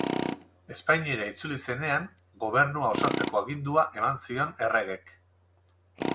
Espainiara itzuli zenean, gobernua osatzeko agindua eman zion erregek.